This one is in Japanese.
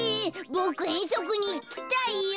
ボクえんそくにいきたいよ。